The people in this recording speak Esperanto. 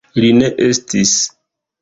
Li ne estis.